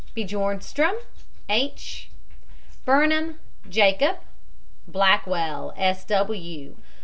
BJORNSTROM, H. BIRNBAHM, JACOB. BLACKWELL, S. W.